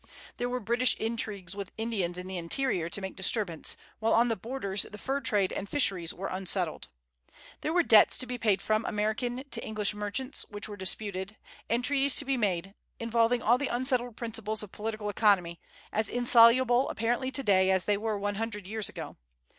There were British intrigues with Indians in the interior to make disturbance, while on the borders the fur trade and fisheries were unsettled. There were debts to be paid from American to English merchants, which were disputed, and treaties to be made, involving all the unsettled principles of political economy, as insoluble apparently to day as they were one hundred years ago.